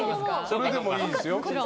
それでもいいですよ。